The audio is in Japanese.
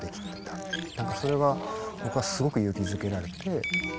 それが僕はすごく勇気づけられて。